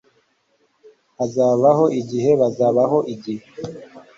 Hazabaho igihe, hazabaho igihe